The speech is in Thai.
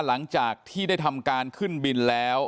หลังจากที่ได้ทำการขึ้นบินแล้ว